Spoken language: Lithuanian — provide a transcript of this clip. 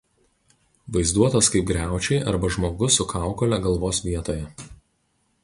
Vaizduotas kaip griaučiai arba žmogus su kaukole galvos vietoje.